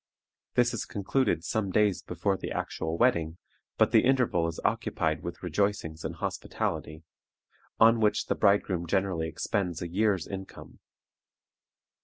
This is concluded some days before the actual wedding, but the interval is occupied with rejoicings and hospitality, on which the bridegroom generally expends a year's income.